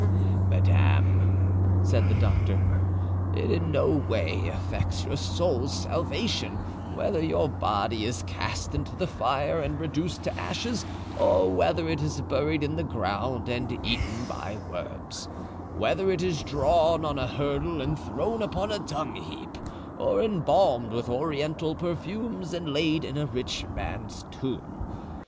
"Madame," said the doctor, "it in no way affects your soul's salvation whether your body is cast into the fire and reduced to ashes or whether it is buried in the ground and eaten by worms, whether it is drawn on a hurdle and thrown upon a dung heap, or embalmed with Oriental perfumes and laid in a rich man's tomb.